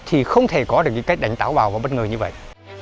thì không thể có được cách đánh tạo vào vào bất ngờ như vậy